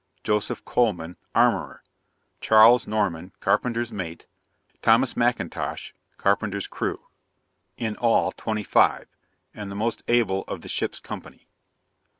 JOSEPH COLEMAN Armourer. CHARLES NORMAN Carpenter's Mate. THOMAS M'INTOSH Carpenter's Crew. In all twenty five and the most able of the ship's company.